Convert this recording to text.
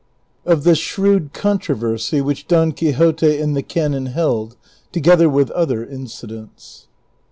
OF THE SHREWD COXTROVERSY WHICH DOX QUIXOTE AXD THE CAXOX HELD, TOGETHER WITH OTHER IXCIDEXTS.